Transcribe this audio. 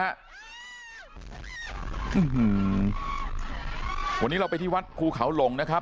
อืมวันนี้เราไปที่วัดภูเขาหลงนะครับ